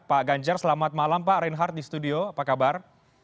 pak ganjar selamat malam pak reinhardt di studio apa kabar